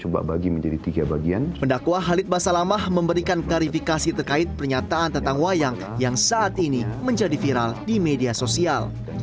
pendakwa khalid basalamah memberikan klarifikasi terkait pernyataan tentang wayang yang saat ini menjadi viral di media sosial